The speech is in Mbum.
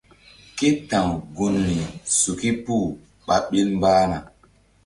Ke ta̧w gunri suki puh ɓa ɓil mbah na.